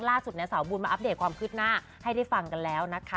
ล่าสุดสาวบุญมาอัปเดตความคืบหน้าให้ได้ฟังกันแล้วนะคะ